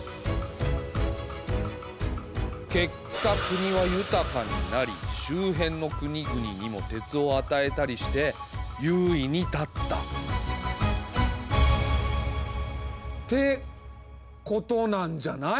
結果国は豊かになり周辺の国々にも鉄をあたえたりして優位に立った。ってことなんじゃない？